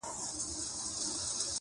کلونه واوښتل عمرونه تېر سول؛